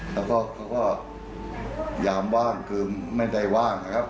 แล้วก็เขาก็ยามว่างคือไม่ได้ว่างนะครับ